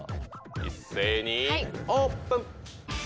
一斉にオープン。